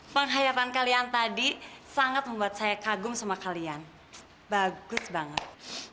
pengkhayatan kalian tadi sangat membuat saya kagum sama kalian bagus banget